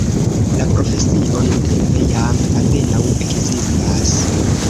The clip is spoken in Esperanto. La profesio nuntempe jam apenaŭ ekzistas.